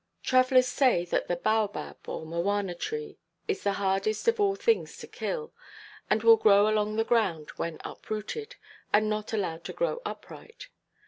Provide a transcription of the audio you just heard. Travellers say that the baobab, or mowana–tree, is the hardest of all things to kill, and will grow along the ground, when uprooted, and not allowed to grow upright.